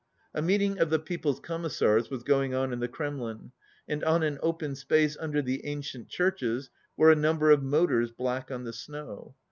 A meeting of the People's Commissars was go ing on in the Kremlin, and on an open space under the ancient churches were a number of motors black on the snow.